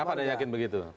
kenapa anda yakin begitu